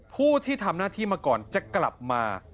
ผู้ที่ทำหน้าที่มาก่อนจะกลับมา